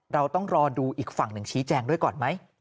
เราต้องรอดูอีกฝั่งหนึ่งชี้แจงด้วยก่อนไหม